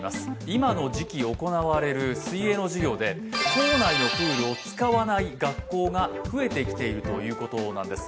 今の時期行われる水泳の授業で校内のプールを使わない学校が増えてきているというのです。